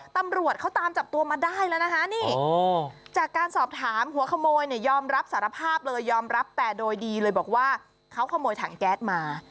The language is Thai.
ตำรวจเขาตามจับตัวมาได้แล้วนะคะนี่จากการสอบถามหัวขโมยเนี่ยยอมรับสารภาพเลยยอมรับแต่โดยดีเลยบอกว่าเขาขโมยถังแก๊สมา